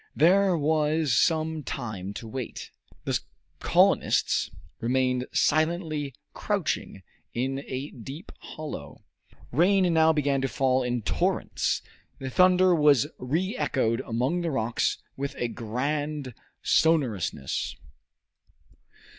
There was some time to wait. The colonists remained silently crouching in a deep hollow. Rain now began to fall in torrents. The thunder was re echoed among the rocks with a grand sonorousness.